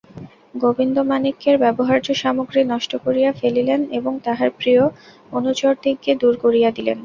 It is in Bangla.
গোবিন্দমাণিক্যের ব্যবহার্য সামগ্রী নষ্ট করিয়া ফেলিলেন এবং তাঁহার প্রিয় অনুচরদিগকে দূর করিয়া দিলেন।